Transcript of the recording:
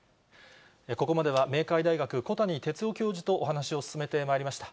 ここまでは明海大学、小谷哲男教授とお話を進めてまいりました。